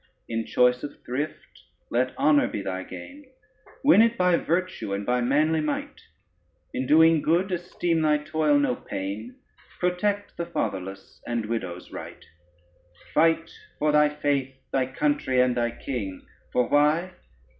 In choice of thrift let honor be thy gain, Win it by virtue and by manly might; In doing good esteem thy toil no pain; Protect the fatherless and widow's right: Fight for thy faith, thy country, and thy king, For why?